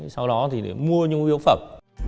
sau đó thì để mua những yếu phẩm